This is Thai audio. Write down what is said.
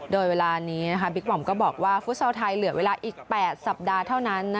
โดยเวลานี้บิ๊กหม่อมก็บอกว่าฟุตซอลไทยเหลือเวลาอีก๘สัปดาห์เท่านั้น